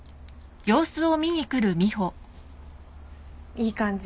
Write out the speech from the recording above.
いい感じ。